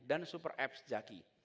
dan super app zaki